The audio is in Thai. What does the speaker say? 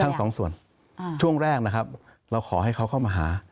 ทั้งสองส่วนช่วงแรกนะครับเราขอให้เขาเข้ามาหา